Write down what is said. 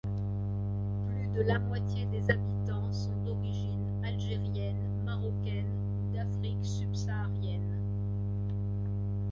Plus de la moitié des habitants sont d'origine algérienne, marocaine ou d'Afrique subsaharienne.